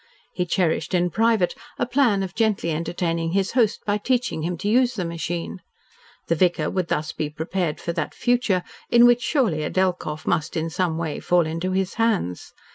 He cherished in private a plan of gently entertaining his host by teaching him to use the machine. The vicar would thus be prepared for that future in which surely a Delkoff must in some way fall into his hands.